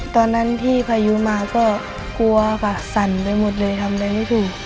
ตอนนั้นที่พายุมาก็กลัวค่ะสั่นไปหมดเลยทำอะไรไม่ถูก